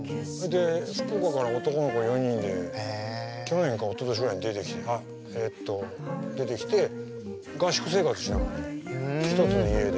福岡から男の子４人で去年かおととしぐらいに出てきてえっと出てきて合宿生活しながらね一つの家で。